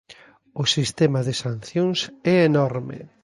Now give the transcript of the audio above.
O sistema de sancións é enorme.